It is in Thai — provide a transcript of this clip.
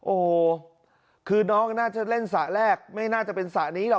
โอ้โหคือน้องน่าจะเล่นสระแรกไม่น่าจะเป็นสระนี้หรอก